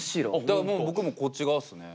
だから僕もこっち側っすね。